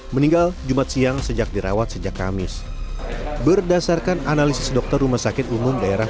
meninggal jumat siang sejak dirawat sejak kamis berdasarkan analisis dokter rumah sakit umum daerah